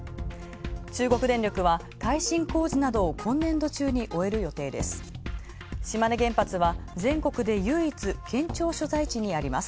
中国電力は、耐震工事などを今年度中に終える予定です。